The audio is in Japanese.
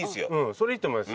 それいいと思います